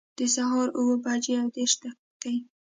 د سهار اووه بجي او دیرش دقیقي